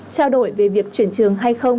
trao đổi về việc chuyển trường hay không